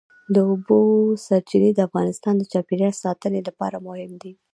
د اوبو سرچینې د افغانستان د چاپیریال ساتنې لپاره مهم دي.